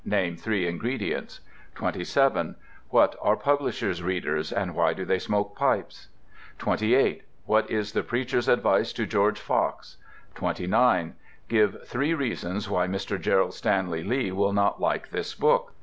Name three ingredients. 27. What are "publisher's readers," and why do they smoke pipes? 28. What was the preacher's advice to George Fox? 29. Give three reasons why Mr. Gerald Stanley Lee will not like this book.